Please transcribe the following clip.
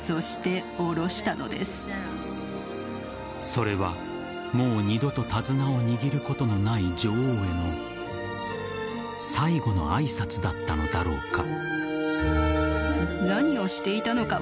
それは、もう二度と手綱を握ることのない女王への最後の挨拶だったのだろうか。